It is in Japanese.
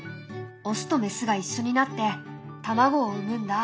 オスとメスが一緒になって卵を産むんだ。